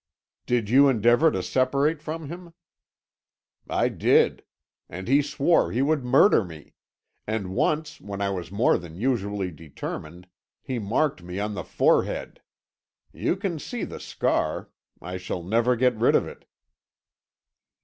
"Did you endeavour to separate from him?" "I did; and he swore he would murder me; and once, when I was more than usually determined, he marked me on my forehead. You can see the scar; I shall never get rid of it."